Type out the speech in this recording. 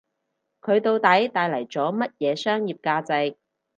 佢到底帶嚟咗乜嘢商業價值